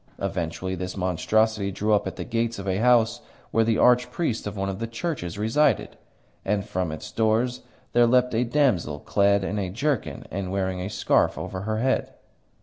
Eventually this monstrosity drew up at the gates of a house where the archpriest of one of the churches resided, and from its doors there leapt a damsel clad in a jerkin and wearing a scarf over her head.